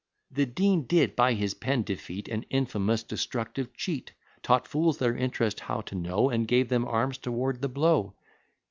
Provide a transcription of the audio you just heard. _ "The Dean did, by his pen, defeat An infamous destructive cheat; Taught fools their int'rest how to know, And gave them arms to ward the blow.